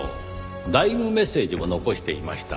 ダイイングメッセージも残していました。